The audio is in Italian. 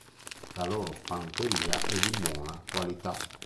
La loro fanteria è di buona qualità.